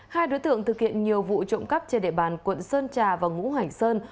hai đối tượng thực hiện nhiều vụ trộm cắp trên địa bàn quận sơn trà và ngũ hành sơn